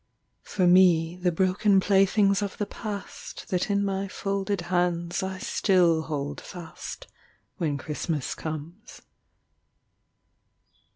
For me, the broken playthings of the past That in my folded hands I still hold fast, When Christmas comes.